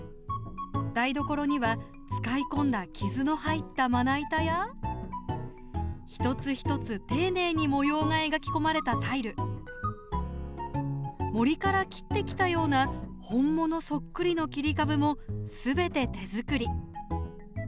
台所には使い込んだ傷の入った、まな板や一つ一つ丁寧に模様が描き込まれたタイル森から切ってきたような本物そっくりの切り株もすべて手作り。